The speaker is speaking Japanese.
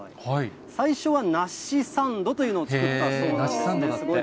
最初は梨サンドというのを作ったそうなんです。